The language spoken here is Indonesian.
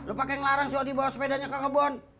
lo pake ngelarang si odi bawa sepedanya ke kebun